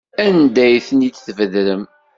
Anda ay ten-id-tbedrem?